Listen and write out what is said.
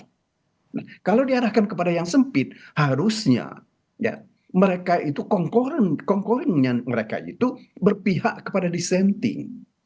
nah kalau diarahkan kepada yang sempit harusnya mereka itu konginnya mereka itu berpihak kepada dissenting